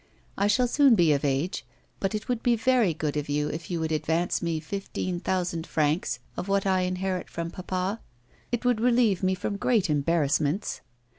I shall soon be of age, but it would be very good of you if you would advance me fifteen thousand francs of what I inherit from papa ; it would relieve me from great embarrassments.